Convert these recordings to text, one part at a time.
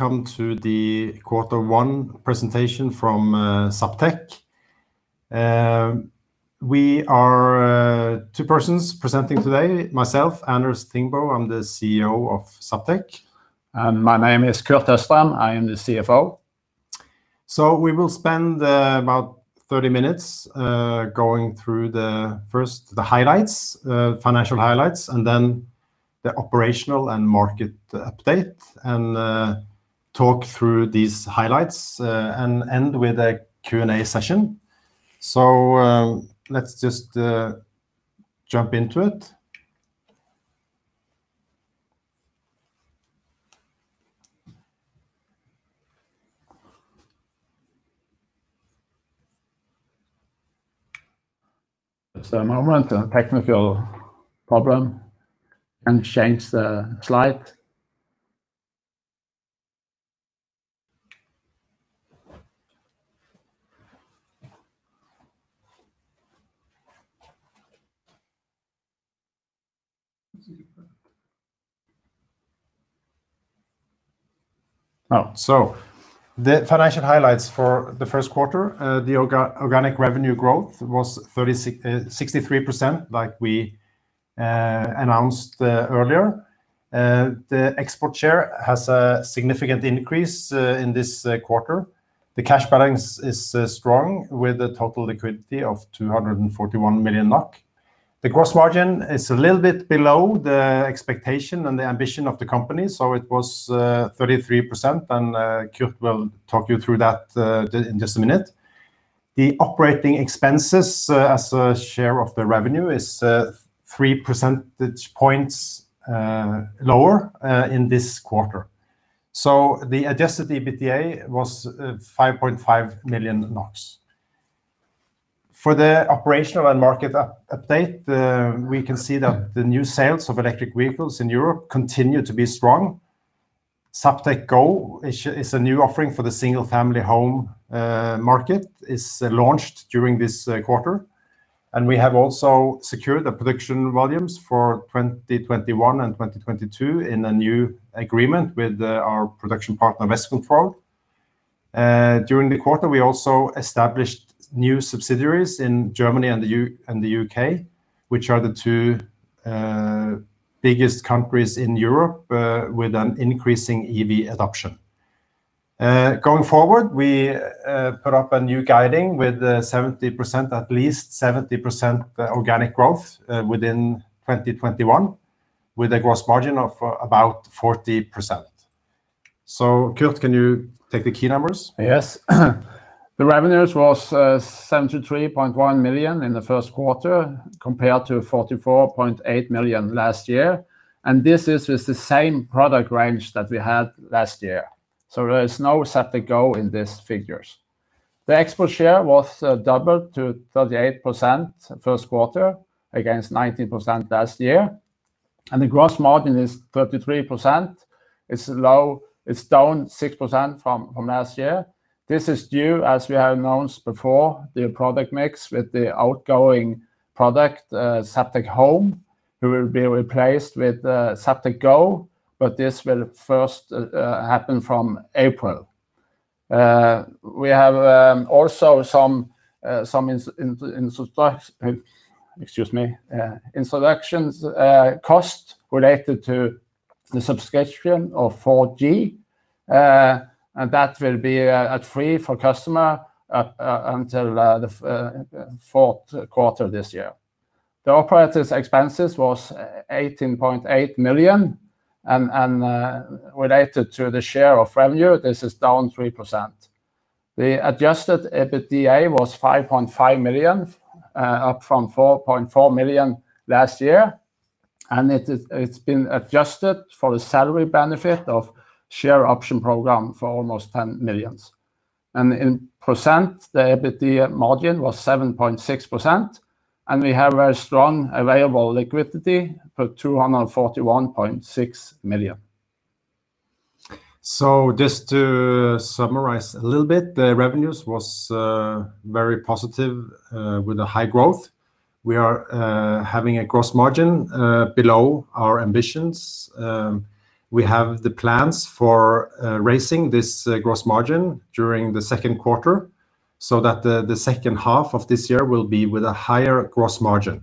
Welcome to the quarter one presentation from Zaptec. We are two persons presenting today. Myself, Anders Thingbø, I'm the CEO of Zaptec. My name is Kurt Østrem. I am the CFO. We will spend about 30 minutes going through first the highlights, financial highlights, and then the operational and market update and talk through these highlights, and end with a Q&A session. Let's just jump into it. Just a moment. A technical problem. Can't change the slide. The financial highlights for the first quarter, the organic revenue growth was 63%, like we announced earlier. The export share has a significant increase in this quarter. The cash balance is strong with a total liquidity of 241 million NOK. The gross margin is a little bit below the expectation and the ambition of the company. It was 33%, and Kurt will talk you through that in just a minute. The operating expenses as a share of the revenue is 3 percentage points lower in this quarter. The adjusted EBITDA was 5.5 million. For the operational and market update, we can see that the new sales of electric vehicles in Europe continue to be strong. Zaptec Go is a new offering for the single-family home market. It's launched during this quarter, and we have also secured the production volumes for 2021 and 2022 in a new agreement with our production partner, Westcontrol. During the quarter, we also established new subsidiaries in Germany and the U.K., which are the two biggest countries in Europe with an increasing EV adoption. Going forward, we put up a new guiding with at least 70% organic growth within 2021, with a gross margin of about 40%. Kurt, can you take the key numbers? Yes. The revenues was 73.1 million in the first quarter, compared to 44.8 million last year. This is with the same product range that we had last year. There is no Zaptec Go in these figures. The export share was doubled to 38% first quarter against 19% last year. The gross margin is 33%. It's down 6% from last year. This is due, as we have announced before, the product mix with the outgoing product, Zaptec Home, who will be replaced with Zaptec Go. This will first happen from April. We have also some Excuse me. Introduction cost related to the subscription of 4G. That will be at free for customer until the fourth quarter this year. The operating expenses was 18.8 million. Related to the share of revenue, this is down 3%. The adjusted EBITDA was 5.5 million, up from 4.4 million last year, and it's been adjusted for the salary benefit of share option program for almost 10 million. In percent, the EBITDA margin was 7.6%, and we have very strong available liquidity for 241.6 million. Just to summarize a little bit, the revenues was very positive with a high growth. We are having a gross margin below our ambitions. We have the plans for raising this gross margin during the second quarter so that the second half of this year will be with a higher gross margin.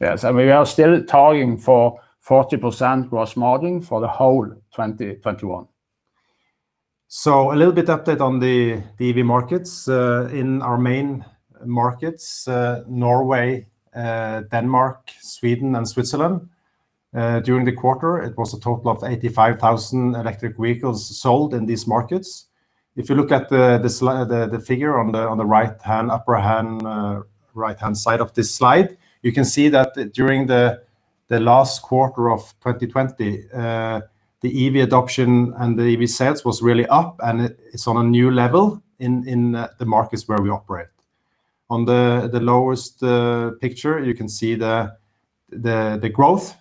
Yes, we are still targeting for 40% gross margin for the whole 2021. A little bit update on the EV markets. In our main markets, Norway, Denmark, Sweden and Switzerland, during the quarter, it was a total of 85,000 electric vehicles sold in these markets. If you look at the figure on the right-hand side of this slide, you can see that during the last quarter of 2020, the EV adoption and the EV sales was really up and it's on a new level in the markets where we operate. On the lowest picture, you can see the growth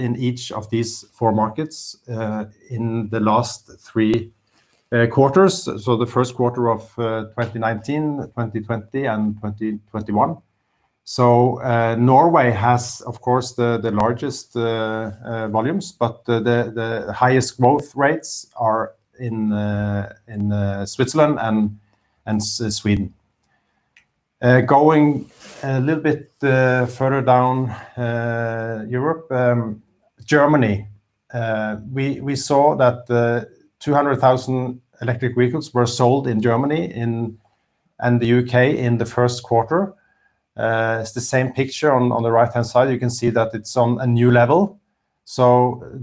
in each of these four markets in the last three quarters. The first quarter of 2019, 2020 and 2021. Norway has, of course, the largest volumes, but the highest growth rates are in Switzerland and Sweden. Going a little bit further down Europe, Germany, we saw that 200,000 electric vehicles were sold in Germany and the U.K. in the first quarter. It's the same picture on the right-hand side. You can see that it's on a new level. In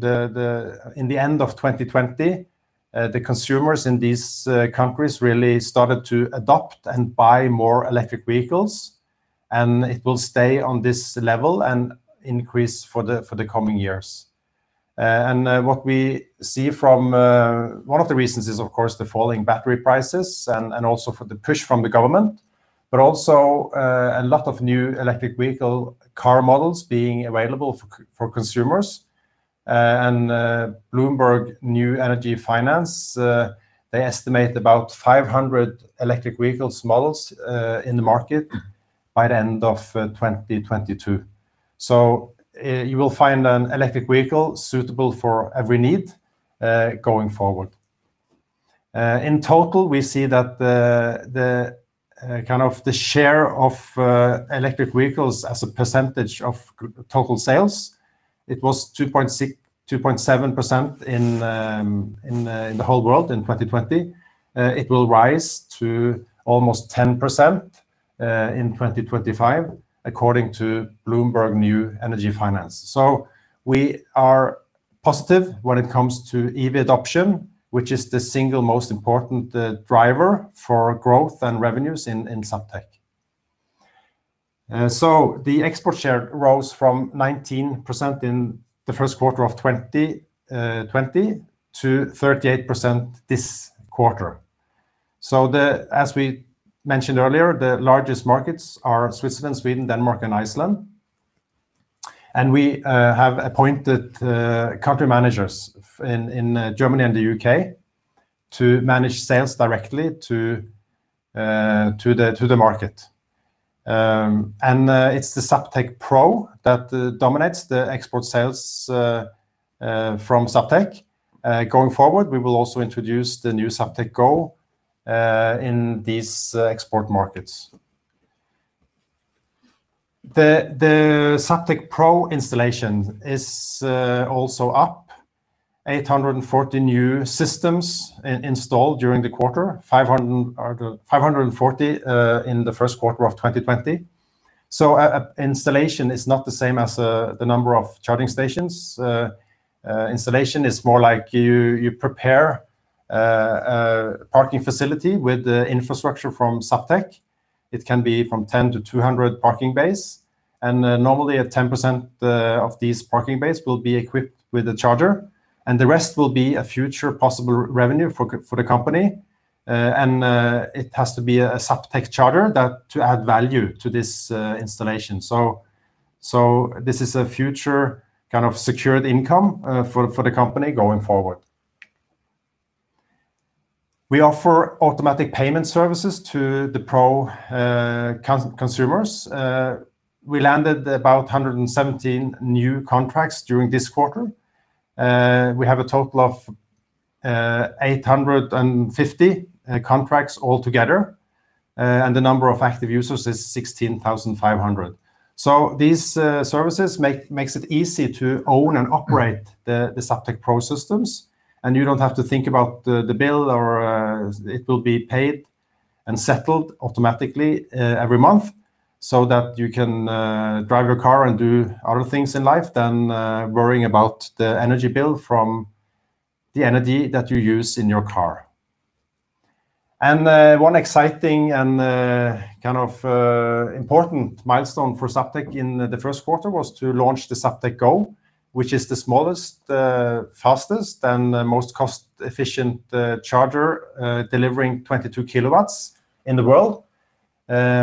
the end of 2020, the consumers in these countries really started to adopt and buy more electric vehicles, and it will stay on this level and increase for the coming years. One of the reasons is, of course, the falling battery prices and also for the push from the government, but also a lot of new electric vehicle car models being available for consumers. Bloomberg New Energy Finance, they estimate about 500 electric vehicles models in the market by the end of 2022. You will find an electric vehicle suitable for every need going forward. In total, we see that the share of electric vehicles as a percentage of total sales, it was 2.7% in the whole world in 2020. It will rise to almost 10% in 2025, according to Bloomberg New Energy Finance. We are positive when it comes to EV adoption, which is the single most important driver for growth and revenues in Zaptec. The export share rose from 19% in Q1 2020 to 38% this quarter. As we mentioned earlier, the largest markets are Switzerland, Sweden, Denmark, and Iceland. We have appointed country managers in Germany and the U.K. to manage sales directly to the market. It's the Zaptec Pro that dominates the export sales from Zaptec. Going forward, we will also introduce the new Zaptec Go in these export markets. The Zaptec Pro installation is also up 840 new systems installed during the quarter, 540 in Q1 2020. Installation is not the same as the number of charging stations. Installation is more like you prepare a parking facility with the infrastructure from Zaptec. It can be from 10-200 parking bays. Normally 10% of these parking bays will be equipped with a charger, and the rest will be a future possible revenue for the company. It has to be a Zaptec charger to add value to this installation. This is a future kind of secured income for the company going forward. We offer automatic payment services to the Pro consumers. We landed about 117 new contracts during this quarter. We have a total of 850 contracts altogether. The number of active users is 16,500. These services makes it easy to own and operate the Zaptec Pro systems. You don't have to think about the bill or it will be paid and settled automatically every month so that you can drive your car and do other things in life than worrying about the energy bill from the energy that you use in your car. One exciting and kind of important milestone for Zaptec in the first quarter was to launch the Zaptec Go, which is the smallest, fastest, and most cost-efficient charger delivering 22 kW in the world.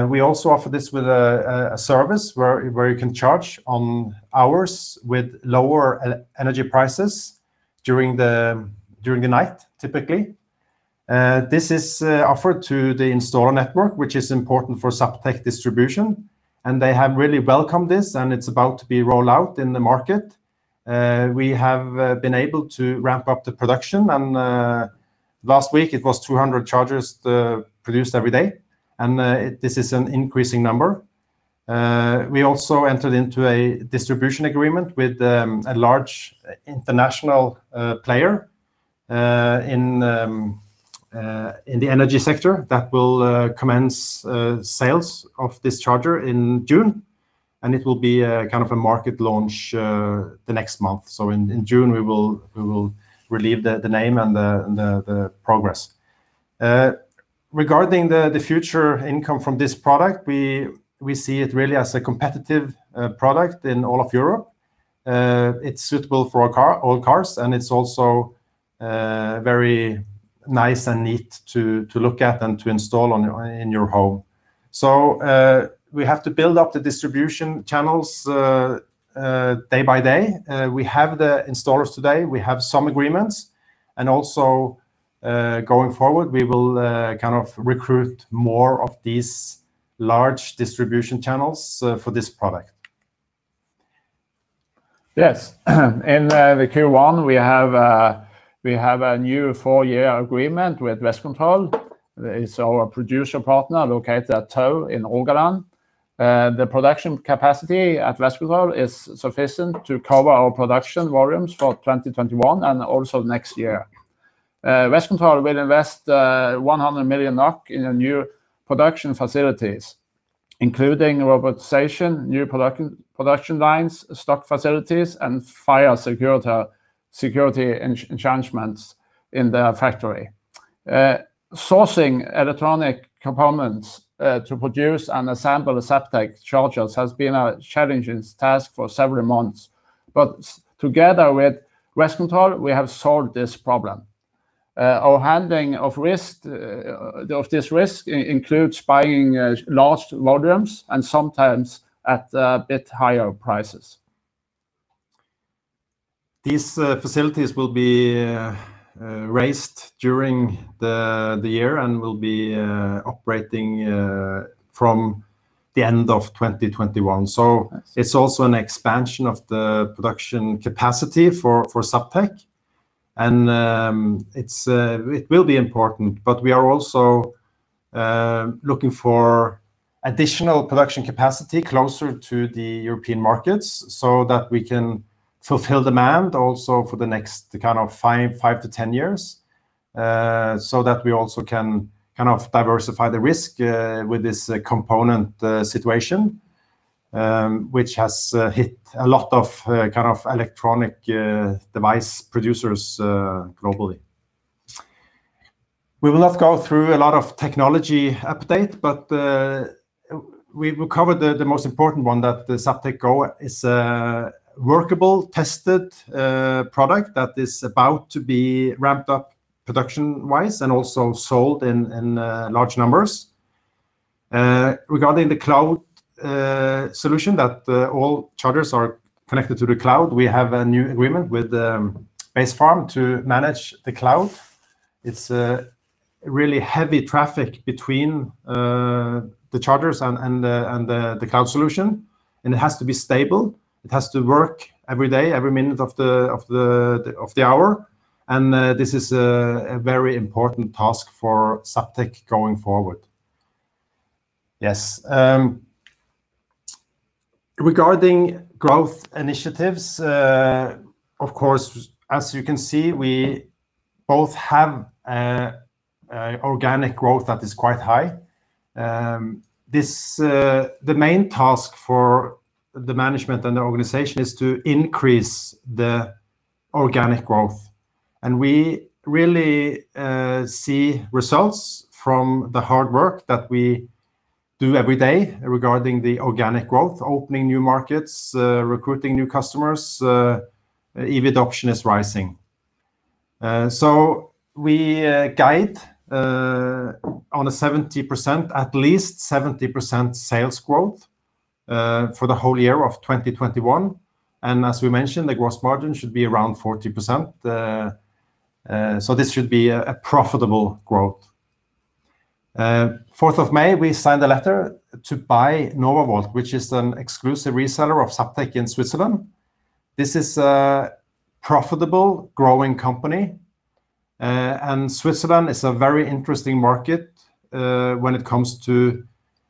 We also offer this with a service where you can charge on hours with lower energy prices during the night typically. This is offered to the installer network, which is important for Zaptec distribution, and they have really welcomed this, and it's about to be rolled out in the market. We have been able to ramp up the production, and last week it was 200 chargers produced every day, and this is an increasing number. We also entered into a distribution agreement with a large international player in the energy sector that will commence sales of this charger in June, and it will be a kind of a market launch the next month. In June we will reveal the name and the progress. Regarding the future income from this product, we see it really as a competitive product in all of Europe. It's suitable for all cars and it's also very nice and neat to look at and to install in your home. We have to build up the distribution channels day by day. We have the installers today. We have some agreements. Also going forward, we will recruit more of these large distribution channels for this product. Yes. In the Q1, we have a new four-year agreement with Westcontrol. It's our producer partner located at Tau in Rogaland. The production capacity at Westcontrol is sufficient to cover our production volumes for 2021 and also next year. Westcontrol will invest 100 million NOK in the new production facilities, including robotization, new production lines, stock facilities, and fire security enhancements in the factory. Sourcing electronic components to produce and assemble Zaptec chargers has been a challenging task for several months. Together with Westcontrol, we have solved this problem. Our handling of this risk includes buying large volumes and sometimes at a bit higher prices. These facilities will be raised during the year and will be operating from the end of 2021. It's also an expansion of the production capacity for Zaptec, and it will be important. We are also looking for additional production capacity closer to the European markets, so that we can fulfill demand also for the next 5-10 years. That we also can diversify the risk with this component situation, which has hit a lot of electronic device producers globally. We will not go through a lot of technology update, but we will cover the most important one, that the Zaptec Go is a workable, tested product that is about to be ramped up production-wise and also sold in large numbers. Regarding the cloud solution, that all chargers are connected to the cloud, we have a new agreement with Basefarm to manage the cloud. It's really heavy traffic between the chargers and the cloud solution, and it has to be stable. It has to work every day, every minute of the hour. This is a very important task for Zaptec going forward. Yes. Regarding growth initiatives, of course, as you can see, we both have organic growth that is quite high. The main task for the management and the organization is to increase the organic growth. We really see results from the hard work that we do every day regarding the organic growth, opening new markets, recruiting new customers. EV adoption is rising. We guide on a 70%, at least 70% sales growth for the whole year of 2021. As we mentioned, the gross margin should be around 40%. This should be a profitable growth. 4th of May, we signed a letter to buy NovaVolt, which is an exclusive reseller of Zaptec in Switzerland. This is a profitable, growing company. Switzerland is a very interesting market when it comes to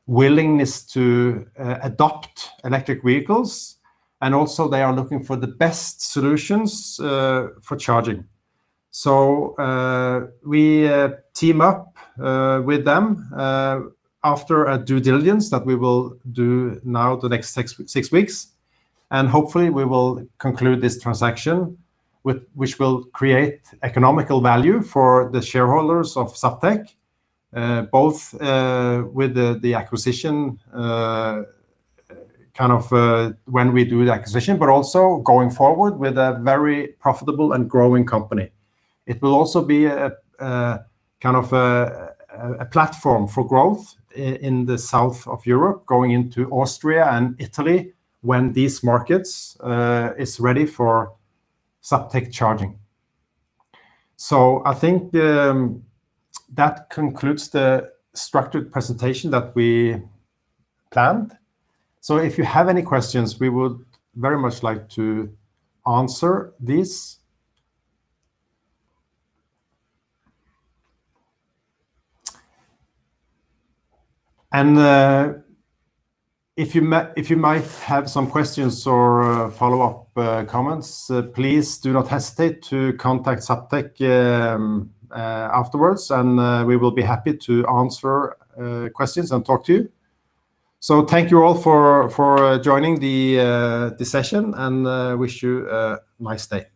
willingness to adopt electric vehicles, and also they are looking for the best solutions for charging. We team up with them after a due diligence that we will do now the next six weeks. Hopefully we will conclude this transaction, which will create economical value for the shareholders of Zaptec, both with the acquisition when we do the acquisition, but also going forward with a very profitable and growing company. It will also be a platform for growth in the south of Europe, going into Austria and Italy when these markets is ready for Zaptec charging. I think that concludes the structured presentation that we planned. If you have any questions, we would very much like to answer these. If you might have some questions or follow-up comments, please do not hesitate to contact Zaptec afterwards, and we will be happy to answer questions and talk to you. Thank you all for joining the session, and wish you a nice day.